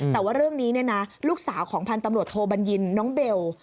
แต่ว่าเรื่องนี้เนี่ยนะลูกสาวของพันธ์ตำรวจโทบัญญินน้องเบล